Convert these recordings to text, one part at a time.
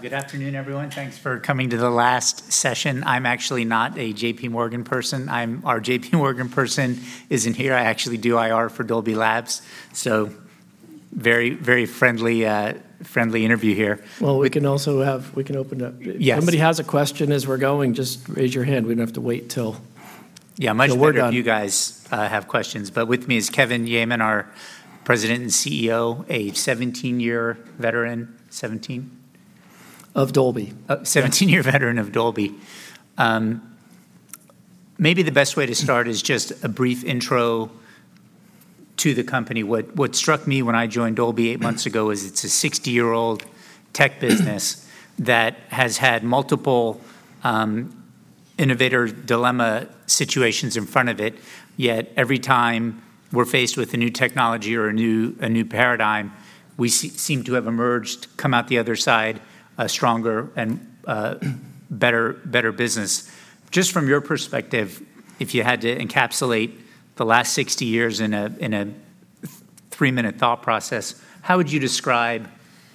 Good afternoon, everyone. Thanks for coming to the last session. I'm actually not a J.P. Morgan person. Our J.P. Morgan person isn't here. I actually do IR for Dolby Labs, so very, very friendly, friendly interview here. Well, we can also have... We can open it up. Yes. If anybody has a question as we're going, just raise your hand. We don't have to wait till- Yeah, much- Till we're done.... better if you guys have questions. But with me is Kevin Yeaman, our President and CEO, a 17-year veteran. 17? Of Dolby. 17-year veteran of Dolby. Maybe the best way to start is just a brief intro to the company. What struck me when I joined Dolby eight months ago is it's a 60-year-old tech business that has had multiple innovator dilemma situations in front of it. Yet every time we're faced with a new technology or a new paradigm, we seem to have emerged, come out the other side, a stronger and better business. Just from your perspective, if you had to encapsulate the last 60 years in a three-minute thought process, how would you describe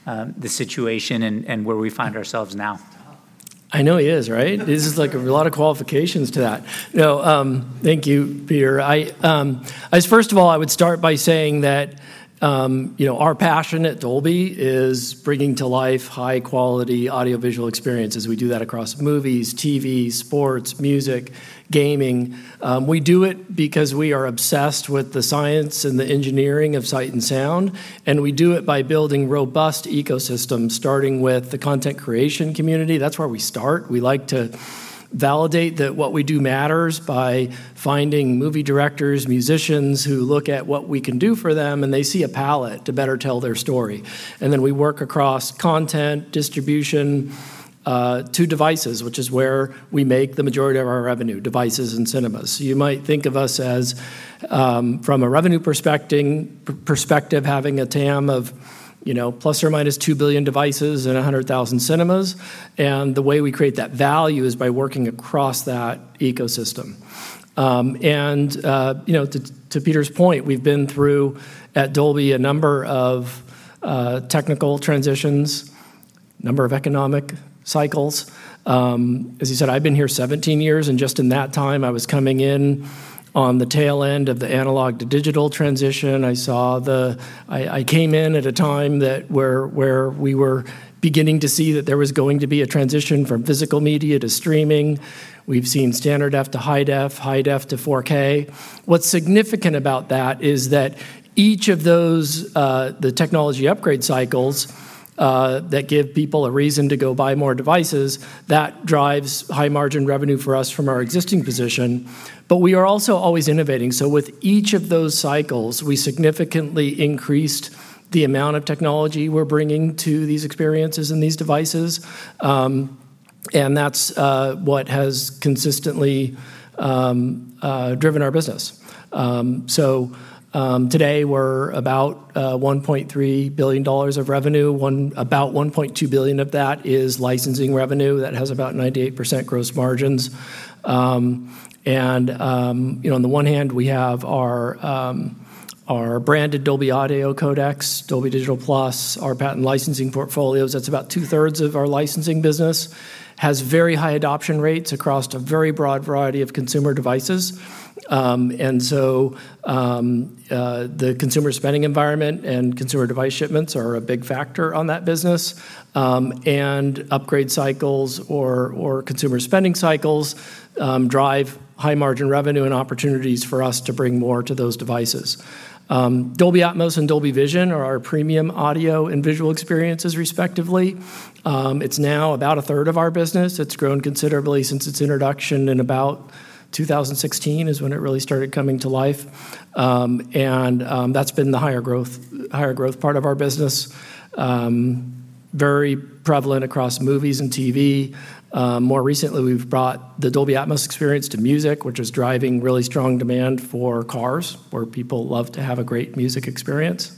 the situation and where we find ourselves now? I know it is, right? This is, like, a lot of qualifications to that. No, thank you, Peter. I first of all would start by saying that, you know, our passion at Dolby is bringing to life high-quality audiovisual experiences. We do that across movies, TV, sports, music, gaming. We do it because we are obsessed with the science and the engineering of sight and sound, and we do it by building robust ecosystems, starting with the content creation community. That's where we start. We like to validate that what we do matters by finding movie directors, musicians who look at what we can do for them, and they see a palette to better tell their story. And then we work across content, distribution, to devices, which is where we make the majority of our revenue, devices and cinemas. So you might think of us as, from a revenue perspective, having a TAM of, you know, ±2 billion devices and 100,000 cinemas. And the way we create that value is by working across that ecosystem. And, you know, to Peter's point, we've been through, at Dolby, a number of technical transitions, a number of economic cycles. As he said, I've been here 17 years, and just in that time, I was coming in on the tail end of the analog-to-digital transition. I came in at a time that, where we were beginning to see that there was going to be a transition from physical media to streaming. We've seen standard def to high def, high def to 4K. What's significant about that is that each of those, the technology upgrade cycles, that give people a reason to go buy more devices, that drives high-margin revenue for us from our existing position. But we are also always innovating, so with each of those cycles, we significantly increased the amount of technology we're bringing to these experiences and these devices. And that's what has consistently driven our business. So, today we're about $1.3 billion of revenue. About $1.2 billion of that is licensing revenue. That has about 98% gross margins. And, you know, on the one hand, we have our branded Dolby Audio codecs, Dolby Digital Plus, our patent licensing portfolios. That's about two-thirds of our licensing business. Has very high adoption rates across a very broad variety of consumer devices. And so, the consumer spending environment and consumer device shipments are a big factor on that business. And upgrade cycles or consumer spending cycles drive high-margin revenue and opportunities for us to bring more to those devices. Dolby Atmos and Dolby Vision are our premium audio and visual experiences, respectively. It's now about a third of our business. It's grown considerably since its introduction in about 2016, is when it really started coming to life. That's been the higher growth, higher growth part of our business, very prevalent across movies and TV. More recently, we've brought the Dolby Atmos experience to music, which is driving really strong demand for cars, where people love to have a great music experience.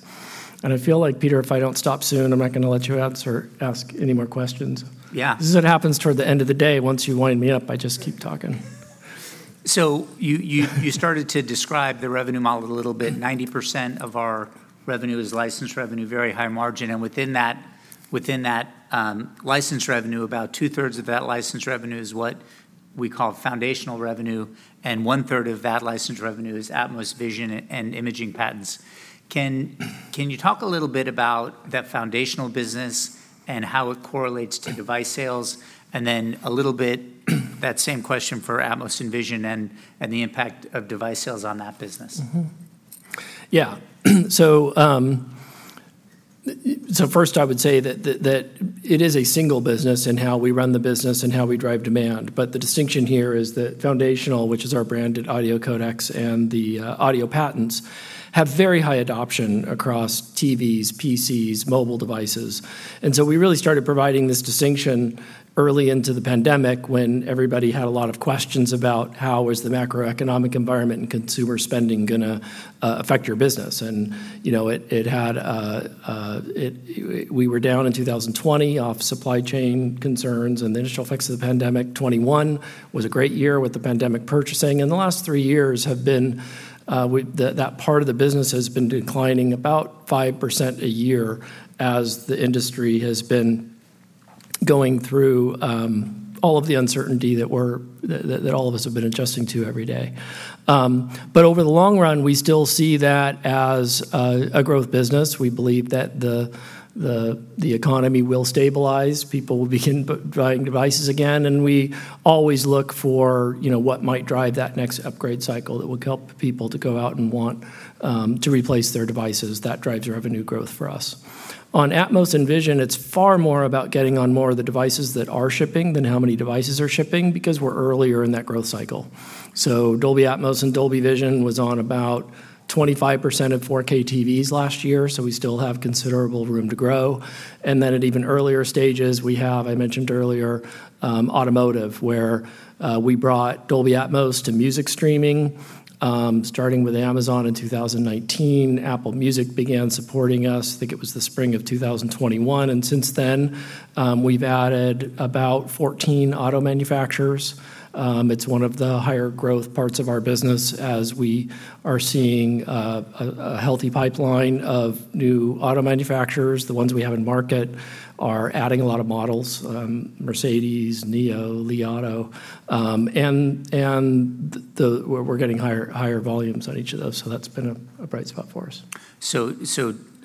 And I feel like, Peter, if I don't stop soon, I'm not gonna let you answer, ask any more questions. Yeah. This is what happens toward the end of the day. Once you wind me up, I just keep talking. So you started to describe the revenue model a little bit. 90% of our revenue is licensed revenue, very high margin, and within that, within that, license revenue, about two-thirds of that license revenue is what we call foundational revenue, and one-third of that license revenue is Atmos, Vision and imaging patents. Can you talk a little bit about that foundational business and how it correlates to device sales? And then a little bit, that same question for Atmos and Vision and the impact of device sales on that business. Mm-hmm. Yeah. So, first I would say that it is a single business in how we run the business and how we drive demand, but the distinction here is that foundational, which is our branded audio codecs and the audio patents, have very high adoption across TVs, PCs, mobile devices. And so we really started providing this distinction early into the pandemic when everybody had a lot of questions about: How is the macroeconomic environment and consumer spending gonna affect your business? And, you know, we were down in 2020 off supply chain concerns and the initial effects of the pandemic. 2021 was a great year with the pandemic purchasing, and the last three years have been with that part of the business has been declining about 5% a year as the industry has been going through all of the uncertainty that we're that that that all of us have been adjusting to every day. But over the long run, we still see that as a growth business. We believe that the economy will stabilize, people will begin buying devices again, and we always look for, you know, what might drive that next upgrade cycle that will help people to go out and want to replace their devices. That drives revenue growth for us. On Atmos and Vision, it's far more about getting on more of the devices that are shipping than how many devices are shipping, because we're earlier in that growth cycle. So Dolby Atmos and Dolby Vision was on about 25% of 4K TVs last year, so we still have considerable room to grow. And then at even earlier stages, we have, I mentioned earlier, automotive, where, we brought Dolby Atmos to music streaming, starting with Amazon in 2019. Apple Music began supporting us, I think it was the spring of 2021, and since then, we've added about 14 auto manufacturers. It's one of the higher growth parts of our business as we are seeing, a healthy pipeline of new auto manufacturers. The ones we have in market are adding a lot of models, Mercedes, NIO, Li Auto. We're getting higher volumes on each of those, so that's been a bright spot for us. So,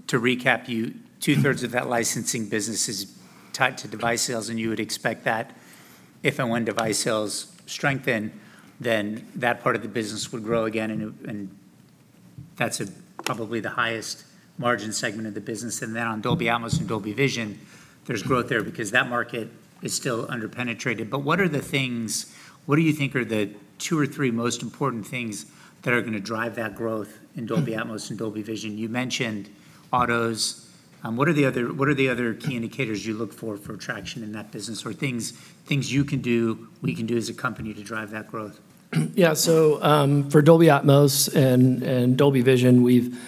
to recap, you, two-thirds of that licensing business is tied to device sales, and you would expect that if and when device sales strengthen, then that part of the business would grow again, and that's probably the highest margin segment of the business. And then on Dolby Atmos and Dolby Vision, there's growth there because that market is still under-penetrated. But what are the things... What do you think are the two or three most important things that are going to drive that growth in Dolby Atmos and Dolby Vision? You mentioned autos. What are the other key indicators you look for for traction in that business, or things you can do, we can do as a company to drive that growth? Yeah, so, for Dolby Atmos and Dolby Vision, we've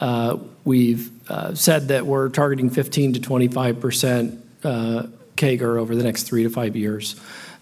said that we're targeting 15%-25% CAGR over the next three-five years.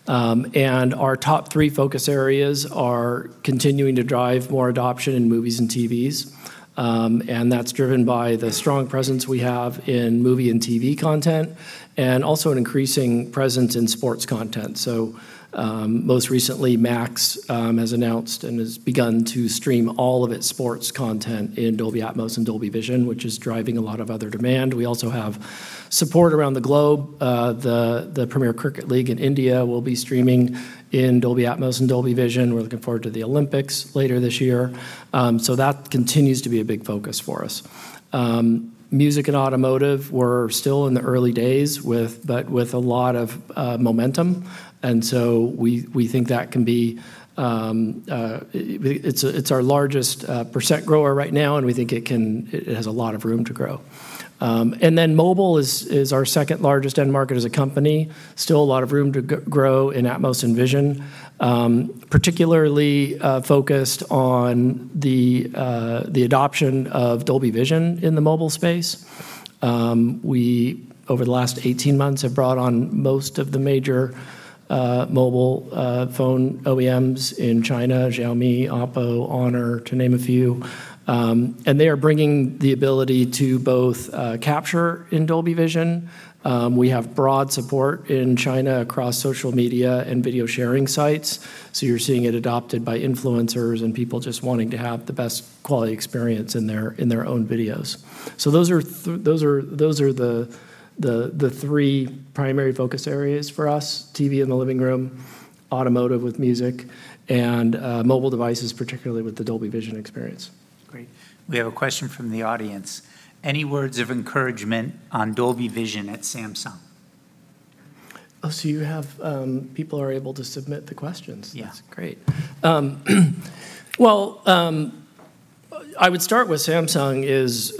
And our top three focus areas are continuing to drive more adoption in movies and TVs, and that's driven by the strong presence we have in movie and TV content, and also an increasing presence in sports content. So, most recently, Max has announced and has begun to stream all of its sports content in Dolby Atmos and Dolby Vision, which is driving a lot of other demand. We also have support around the globe. The Indian Premier League in India will be streaming in Dolby Atmos and Dolby Vision. We're looking forward to the Olympics later this year. So that continues to be a big focus for us. Music and automotive, we're still in the early days with, but with a lot of momentum, and so we think that can be... It's our largest percent grower right now, and we think it can, it has a lot of room to grow. And then mobile is our second-largest end market as a company. Still a lot of room to grow in Atmos and Vision, particularly focused on the adoption of Dolby Vision in the mobile space. We, over the last 18 months, have brought on most of the major mobile phone OEMs in China: Xiaomi, OPPO, HONOR, to name a few. And they are bringing the ability to both capture in Dolby Vision. We have broad support in China across social media and video sharing sites, so you're seeing it adopted by influencers and people just wanting to have the best quality experience in their own videos. So those are the three primary focus areas for us: TV in the living room, automotive with music, and mobile devices, particularly with the Dolby Vision experience. Great. We have a question from the audience. Any words of encouragement on Dolby Vision at Samsung? Oh, so you have, people are able to submit the questions? Yeah. That's great. I would start with Samsung is,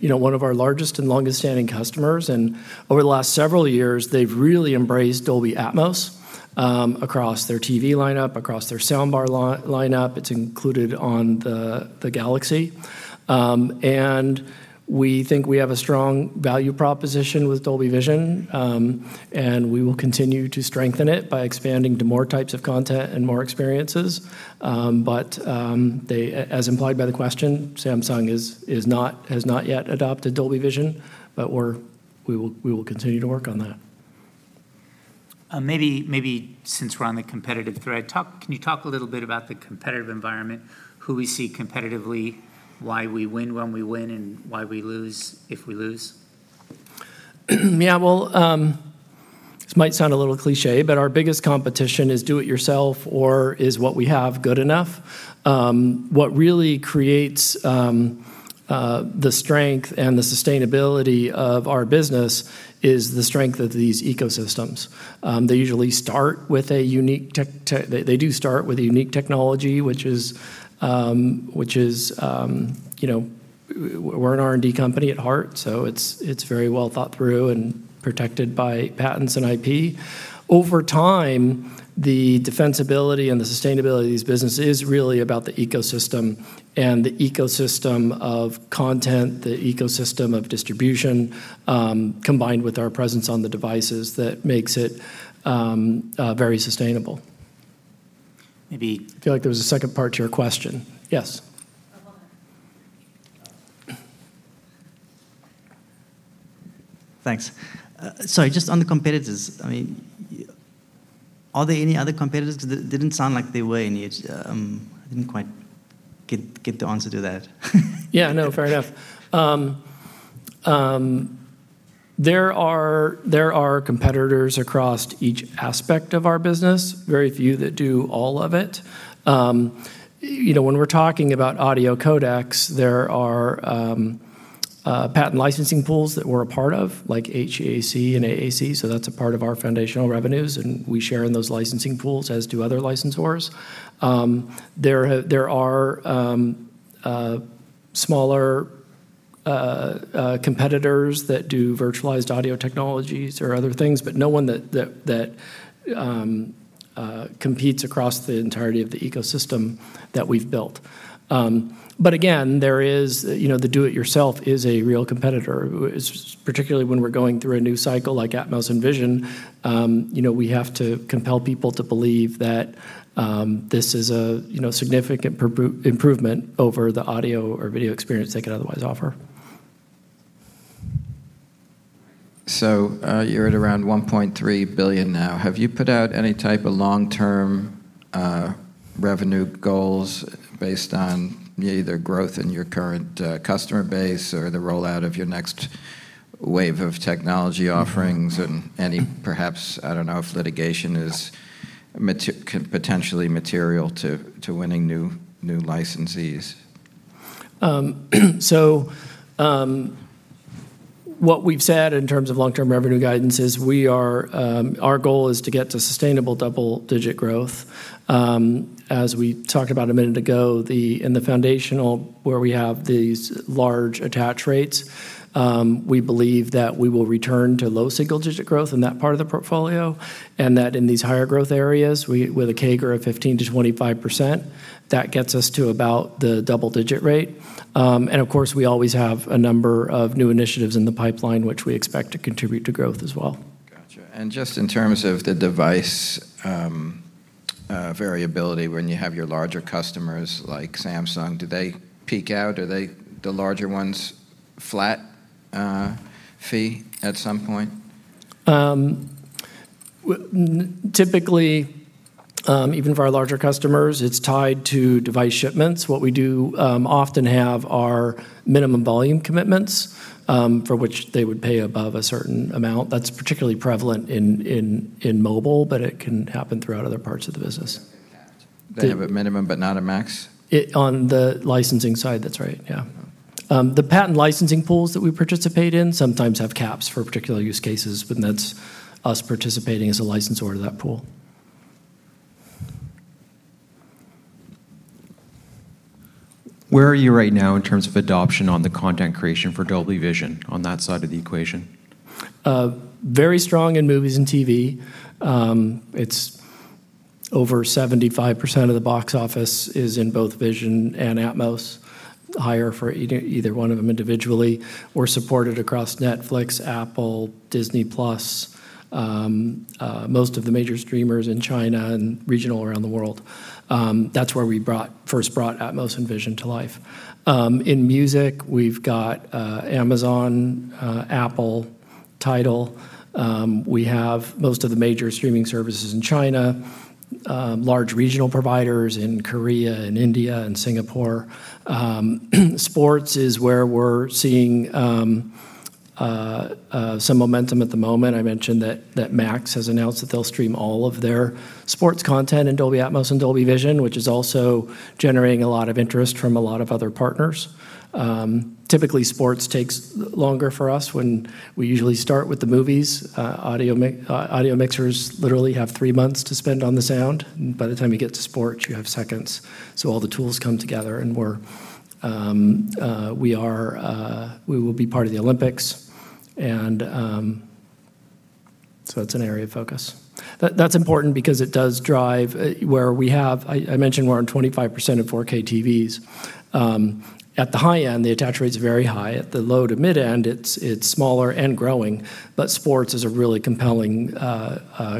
you know, one of our largest and longest-standing customers, and over the last several years, they've really embraced Dolby Atmos across their TV lineup, across their soundbar lineup. It's included on the Galaxy. And we think we have a strong value proposition with Dolby Vision, and we will continue to strengthen it by expanding to more types of content and more experiences. But they, as implied by the question, Samsung is not, has not yet adopted Dolby Vision, but we will, we will continue to work on that. Maybe, maybe since we're on the competitive thread, can you talk a little bit about the competitive environment, who we see competitively, why we win when we win, and why we lose if we lose? Yeah, well, this might sound a little cliché, but our biggest competition is do it yourself or is what we have good enough? What really creates the strength and the sustainability of our business is the strength of these ecosystems. They usually start with a unique technology, which is, you know... We're an R&D company at heart, so it's very well thought through and protected by patents and IP. Over time, the defensibility and the sustainability of these businesses is really about the ecosystem and the ecosystem of content, the ecosystem of distribution, combined with our presence on the devices that makes it very sustainable. Maybe- I feel like there was a second part to your question. Yes.... Thanks. Sorry, just on the competitors, I mean, are there any other competitors? That didn't sound like there were any. I didn't quite get the answer to that. Yeah, no, fair enough. There are competitors across each aspect of our business, very few that do all of it. You know, when we're talking about audio codecs, there are patent licensing pools that we're a part of, like HE-AAC and AAC, so that's a part of our foundational revenues, and we share in those licensing pools, as do other licensors. There are smaller competitors that do virtualized audio technologies or other things, but no one that competes across the entirety of the ecosystem that we've built. But again, there is, you know, the do-it-yourself is a real competitor, who is particularly when we're going through a new cycle like Atmos and Vision. You know, we have to compel people to believe that, you know, this is a significant improvement over the audio or video experience they could otherwise offer. You're at around $1.3 billion now. Have you put out any type of long-term revenue goals based on either growth in your current customer base or the rollout of your next wave of technology offerings? And any, perhaps, I don't know, if litigation is potentially material to, to winning new, new licensees. What we've said in terms of long-term revenue guidance is we are. Our goal is to get to sustainable double-digit growth. As we talked about a minute ago, in the foundational, where we have these large attach rates, we believe that we will return to low single-digit growth in that part of the portfolio, and that in these higher growth areas, with a CAGR of 15%-25%, that gets us to about the double-digit rate. And of course, we always have a number of new initiatives in the pipeline, which we expect to contribute to growth as well. Gotcha. And just in terms of the device variability, when you have your larger customers, like Samsung, do they peak out? Are they, the larger ones, flat fee at some point? Typically, even for our larger customers, it's tied to device shipments. What we do often have are minimum volume commitments, for which they would pay above a certain amount. That's particularly prevalent in mobile, but it can happen throughout other parts of the business. They have a minimum, but not a max? On the licensing side, that's right, yeah. Okay. The patent licensing pools that we participate in sometimes have caps for particular use cases, but that's us participating as a licensor to that pool. Where are you right now in terms of adoption on the content creation for Dolby Vision, on that side of the equation? Very strong in movies and TV. It's over 75% of the box office in both Vision and Atmos, higher for either one of them individually. We're supported across Netflix, Apple, Disney+, most of the major streamers in China and regional around the world. That's where we first brought Atmos and Vision to life. In music, we've got Amazon, Apple, TIDAL. We have most of the major streaming services in China, large regional providers in Korea and India and Singapore. Sports is where we're seeing some momentum at the moment. I mentioned that Max has announced that they'll stream all of their sports content in Dolby Atmos and Dolby Vision, which is also generating a lot of interest from a lot of other partners. Typically, sports takes longer for us. When we usually start with the movies, audio mixers literally have three months to spend on the sound, and by the time you get to sports, you have seconds. So all the tools come together, and we're... We will be part of the Olympics, so it's an area of focus. That's important because it does drive where we have-- I mentioned we're on 25% of 4K TVs. At the high end, the attach rate is very high. At the low to mid-end, it's smaller and growing, but sports is a really compelling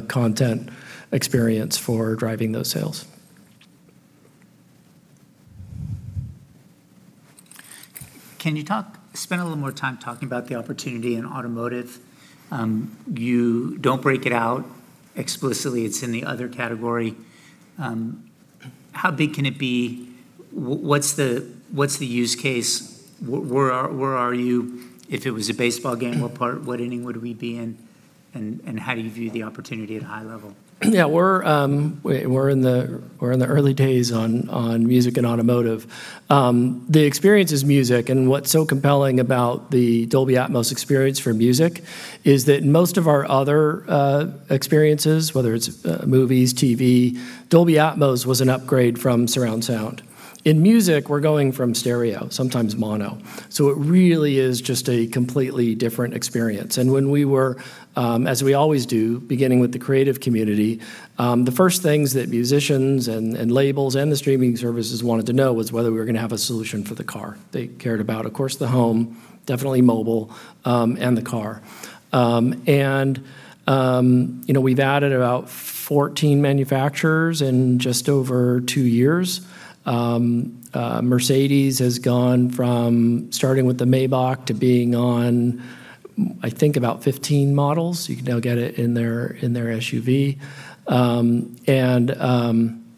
content experience for driving those sales. Can you spend a little more time talking about the opportunity in automotive? You don't break it out explicitly. It's in the other category. How big can it be? What's the use case? Where are you? If it was a baseball game, what inning would we be in, and how do you view the opportunity at a high level? Yeah, we're in the early days on music and automotive. The experience is music, and what's so compelling about the Dolby Atmos experience for music is that most of our other experiences, whether it's movies, TV, Dolby Atmos was an upgrade from surround sound. In music, we're going from stereo, sometimes mono, so it really is just a completely different experience. And when we were, as we always do, beginning with the creative community, the first things that musicians and labels and the streaming services wanted to know was whether we were gonna have a solution for the car. They cared about, of course, the home, definitely mobile, and the car. And, you know, we've added about 14 manufacturers in just over two years. Mercedes has gone from starting with the Maybach to being on, I think about 15 models. You can now get it in their, in their SUV.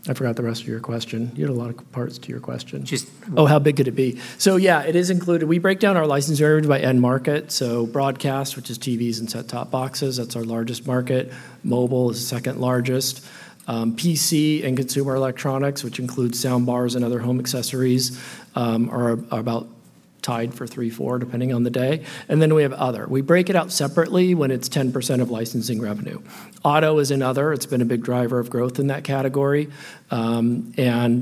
I forgot the rest of your question. You had a lot of parts to your question. Just- Oh, how big could it be? So yeah, it is included. We break down our license revenue by end market, so broadcast, which is TVs and set-top boxes, that's our largest market. Mobile is the second largest. PC and consumer electronics, which includes sound bars and other home accessories, are about tied for three, four, depending on the day. And then we have other. We break it out separately when it's 10% of licensing revenue. Auto is another. It's been a big driver of growth in that category. And,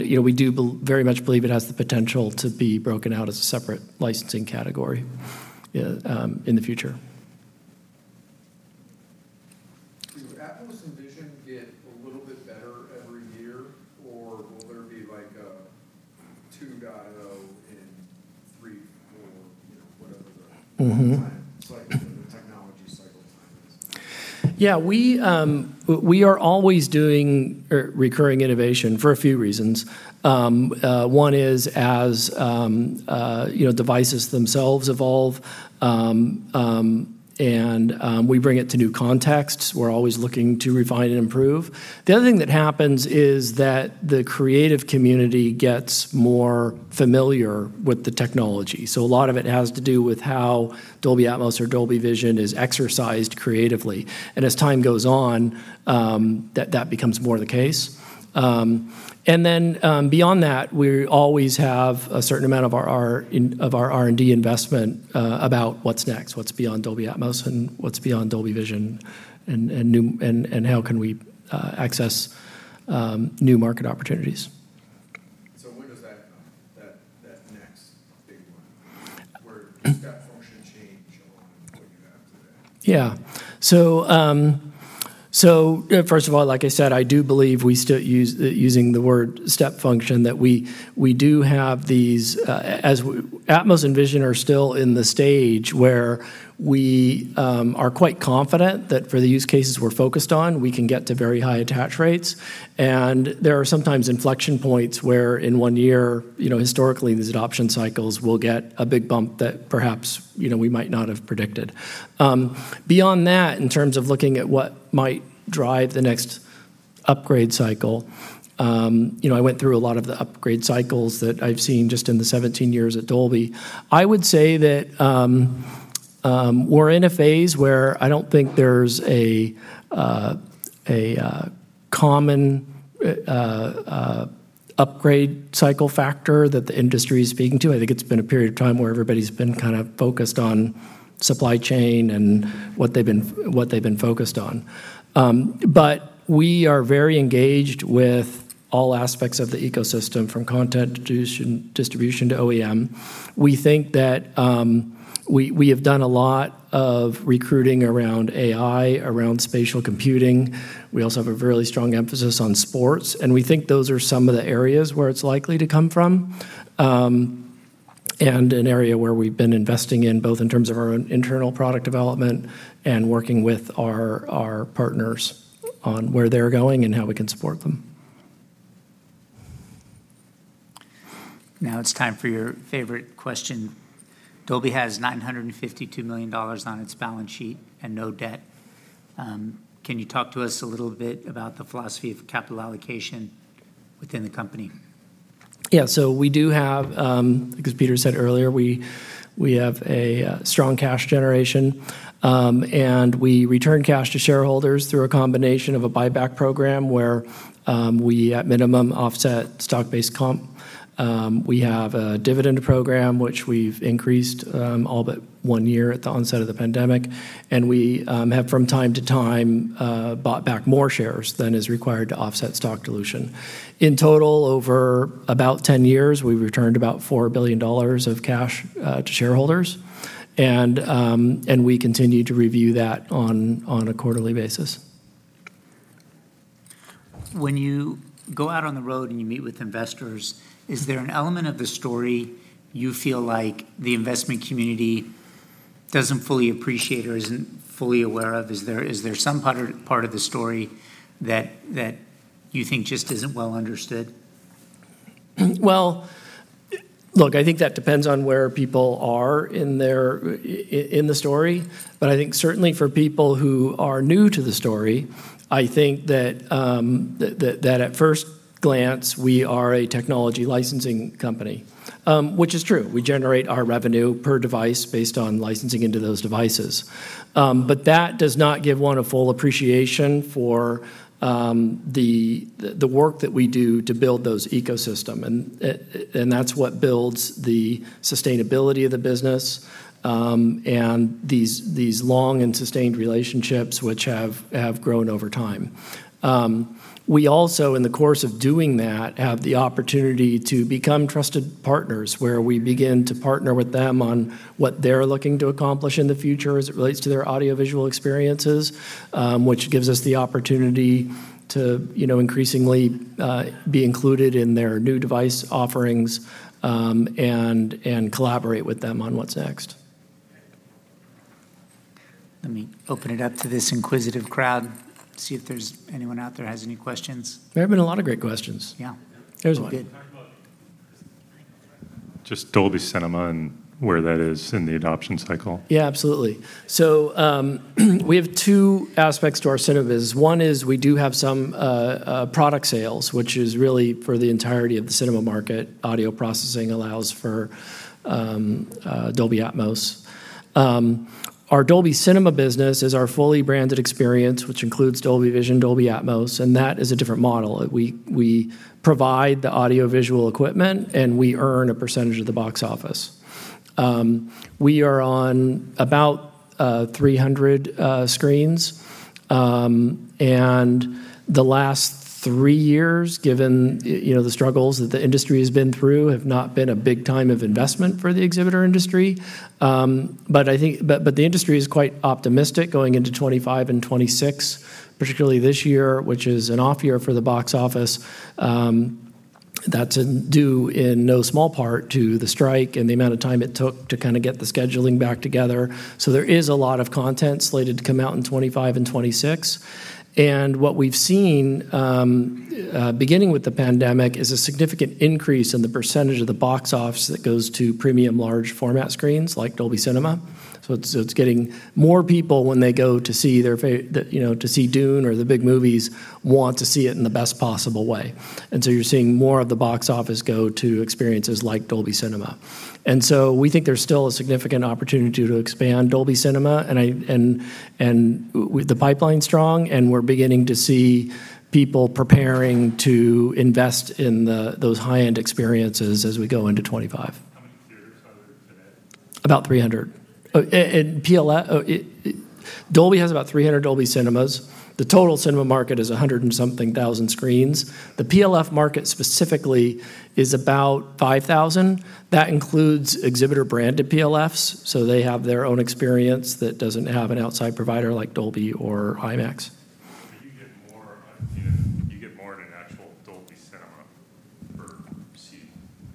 you know, we do very much believe it has the potential to be broken out as a separate licensing category in the future. Do Atmos and Vision get a little bit better every year, or will there be, like, a 2.0 and 3.0, you know, whatever the- Mm-hmm... time cycle, the technology cycle time is? Yeah, we are always doing recurring innovation for a few reasons. One is, as you know, devices themselves evolve, and we bring it to new contexts. We're always looking to refine and improve. The other thing that happens is that the creative community gets more familiar with the technology. So a lot of it has to do with how Dolby Atmos or Dolby Vision is exercised creatively. And as time goes on, that becomes more the case. And then, beyond that, we always have a certain amount of our R&D investment about what's next, what's beyond Dolby Atmos, and what's beyond Dolby Vision, and how can we access new market opportunities. So when does that come, that next big one, where step function change over what you have today? Yeah. So, first of all, like I said, I do believe we're still using the word step function, that we do have these as Atmos and Vision are still in the stage where we are quite confident that for the use cases we're focused on, we can get to very high attach rates. And there are sometimes inflection points where in one year, you know, historically, these adoption cycles will get a big bump that perhaps, you know, we might not have predicted. Beyond that, in terms of looking at what might drive the next upgrade cycle, you know, I went through a lot of the upgrade cycles that I've seen just in the 17 years at Dolby. I would say that, we're in a phase where I don't think there's a common upgrade cycle factor that the industry is speaking to. I think it's been a period of time where everybody's been kind of focused on supply chain and what they've been focused on. But we are very engaged with all aspects of the ecosystem, from content distribution to OEM. We think that, we have done a lot of recruiting around AI, around spatial computing. We also have a really strong emphasis on sports, and we think those are some of the areas where it's likely to come from. And an area where we've been investing in, both in terms of our own internal product development and working with our partners on where they're going and how we can support them. Now it's time for your favorite question. Dolby has $952 million on its balance sheet and no debt. Can you talk to us a little bit about the philosophy of capital allocation within the company? Yeah. So we do have, like as Peter said earlier, we have a strong cash generation. And we return cash to shareholders through a combination of a buyback program, where we at minimum offset stock-based comp. We have a dividend program, which we've increased all but one year at the onset of the pandemic, and we have from time to time bought back more shares than is required to offset stock dilution. In total, over about 10 years, we've returned about $4 billion of cash to shareholders, and we continue to review that on a quarterly basis. When you go out on the road and you meet with investors, is there an element of the story you feel like the investment community doesn't fully appreciate or isn't fully aware of? Is there some part of the story that you think just isn't well understood? Well, look, I think that depends on where people are in the story, but I think certainly for people who are new to the story, I think that at first glance, we are a technology licensing company. Which is true. We generate our revenue per device based on licensing into those devices. But that does not give one a full appreciation for the work that we do to build those ecosystem and that's what builds the sustainability of the business, and these long and sustained relationships which have grown over time. We also, in the course of doing that, have the opportunity to become trusted partners, where we begin to partner with them on what they're looking to accomplish in the future as it relates to their audiovisual experiences, which gives us the opportunity to, you know, increasingly be included in their new device offerings, and collaborate with them on what's next. Let me open it up to this inquisitive crowd, see if there's anyone out there has any questions. There have been a lot of great questions. Yeah. There's one.... Just Dolby Cinema and where that is in the adoption cycle? Yeah, absolutely. So, we have two aspects to our cinema biz. One is we do have some product sales, which is really for the entirety of the cinema market. Audio processing allows for Dolby Atmos. Our Dolby Cinema business is our fully branded experience, which includes Dolby Vision, Dolby Atmos, and that is a different model, that we provide the audio-visual equipment, and we earn a percentage of the box office. We are on about 300 screens. And the last three years, given you know the struggles that the industry has been through, have not been a big time of investment for the exhibitor industry. But I think the industry is quite optimistic going into 2025 and 2026, particularly this year, which is an off year for the box office. That's due in no small part to the strike and the amount of time it took to kind of get the scheduling back together. So there is a lot of content slated to come out in 2025 and 2026. And what we've seen, beginning with the pandemic, is a significant increase in the percentage of the box office that goes to premium large format screens like Dolby Cinema. So it's getting more people when they go to see their favorite, you know, to see Dune or the big movies, want to see it in the best possible way. And so you're seeing more of the box office go to experiences like Dolby Cinema. And so we think there's still a significant opportunity to expand Dolby Cinema, and the pipeline's strong, and we're beginning to see people preparing to invest in the, those high-end experiences as we go into 2025. How many theaters are there today? About 300. And PLF, Dolby has about 300 Dolby Cinemas. The total cinema market is 100-something thousand screens. The PLF market specifically is about 5,000. That includes exhibitor-branded PLFs, so they have their own experience that doesn't have an outside provider like Dolby or IMAX. You get more on, you know, you get more in an actual Dolby Cinema per seat,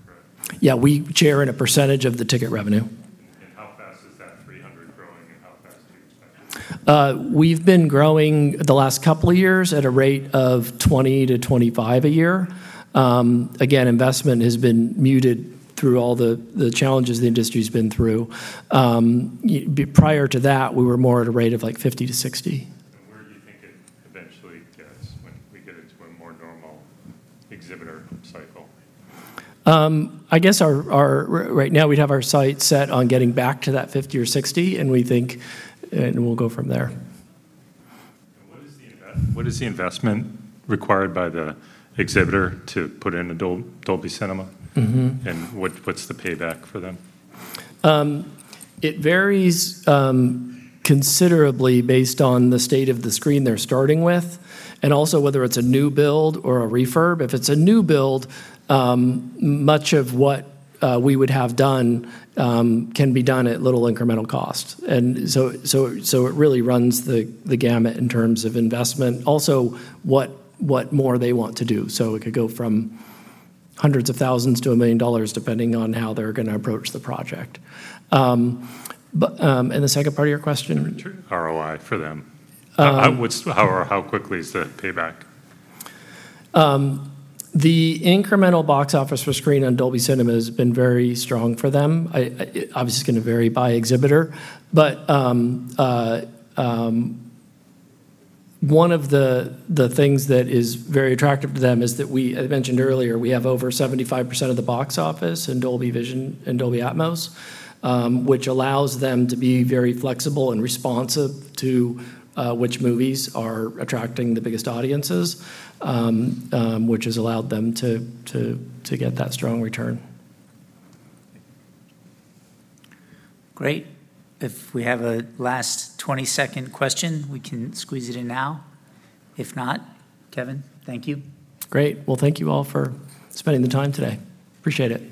correct? Yeah, we share in a percentage of the ticket revenue. How fast is that 300 growing, and how fast do you expect it to? We've been growing the last couple of years at a rate of 20-25 a year. Again, investment has been muted through all the challenges the industry's been through. Prior to that, we were more at a rate of, like, 50-60. Where do you think it eventually gets when we get into a more normal exhibitor cycle? I guess right now, we'd have our sights set on getting back to that 50 or 60, and we think, and we'll go from there. What is the investment required by the exhibitor to put in a Dolby Cinema? Mm-hmm. What's the payback for them? It varies considerably based on the state of the screen they're starting with, and also whether it's a new build or a refurb. If it's a new build, much of what we would have done can be done at little incremental cost. So it really runs the gamut in terms of investment. Also, what more they want to do. So it could go from hundreds of thousands to $1 million, depending on how they're gonna approach the project. But, and the second part of your question? ROI for them. Um- How quickly is the payback? The incremental box office for screen on Dolby Cinema has been very strong for them. I obviously, it's gonna vary by exhibitor, but one of the things that is very attractive to them is that we, as I mentioned earlier, we have over 75% of the box office in Dolby Vision and Dolby Atmos, which allows them to be very flexible and responsive to which movies are attracting the biggest audiences, which has allowed them to get that strong return. Great. If we have a last 20-second question, we can squeeze it in now. If not, Kevin, thank you. Great. Well, thank you all for spending the time today. Appreciate it.